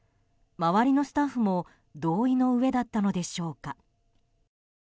周りのスタッフも同意の上だったのでしょうか。